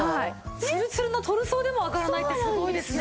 つるつるのトルソーでも上がらないってすごいですね。